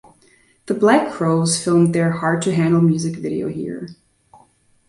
The Black Crowes filmed their "Hard to Handle" music video here.